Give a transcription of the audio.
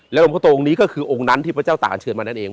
และหลวงพระโตงงนี้ก็คือวงกำนั้นที่พระเจ้าตากอัญเชิญมานั่นเอง